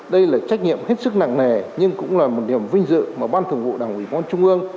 đây là trách nhiệm hết sức nặng nề nhưng cũng là một niềm vinh dự mà ban thường vụ đảng ủy quan trung ương